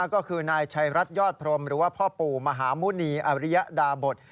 ก็คือนายชัยรัฐยอดพรมหรือว่าพ่อปู่มหาหมุณีอริยดาบท